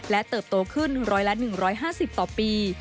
และเติบโตขึ้น๑๐๐ละ๑๕๐ต่อปี